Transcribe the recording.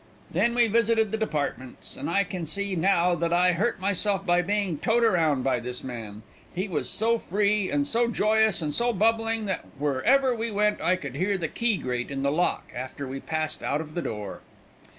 "Then we visited the departments, and I can see now that I hurt myself by being towed around by this man. He was so free, and so joyous, and so bubbling, that wherever we went I could hear the key grate in the lock after we passed out of the door.